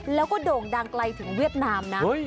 แล้วก็โด่งดังไกลถึงเวียดนามนะ